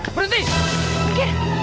kabar nama aku